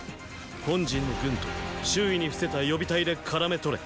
本陣の軍と周囲に伏せた予備隊でからめ捕れ。